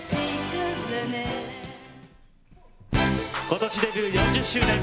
今年デビュー４０周年！